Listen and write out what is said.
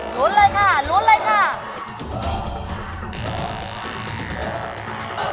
ลุ้นเลยค่ะลุ้นเลยค่ะ